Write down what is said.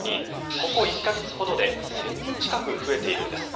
ここ１か月ほどで１０００人近く増えているんです。